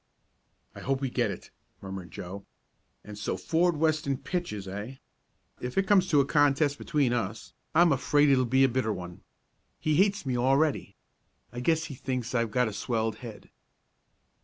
"I hope we get it," murmured Joe. "And so Ford Weston pitches; eh? If it comes to a contest between us I'm afraid it will be a bitter one. He hates me already. I guess he thinks I've got a swelled head."